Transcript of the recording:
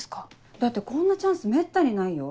だってこんなチャンスめったにないよ？